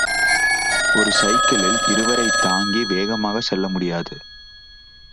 ஒரு சைக்கிளில் இருவரைத் தாங்கி வேகமாகச் செல்லமுடியாது.